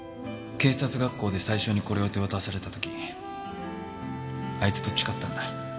警察学校で最初にこれを手渡された時あいつと誓ったんだ。